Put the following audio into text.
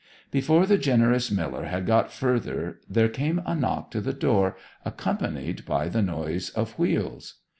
Before the generous Miller had got further there came a knock to the door accompanied by the noise of wheels.